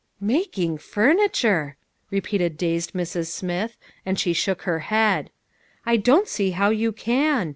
"Making furniture!" repeated dazed Mrs. Smith ; and she shook her head. " I don't see how you can